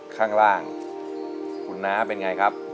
ข้างล่างคุณน้าเป็นไงครับ